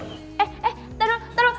eh eh tunggu tunggu